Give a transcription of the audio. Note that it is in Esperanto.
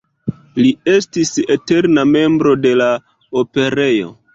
Li estis eterna membro de la Operejo.